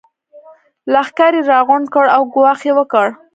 لښکر يې راغونډ کړ او ګواښ يې وکړ.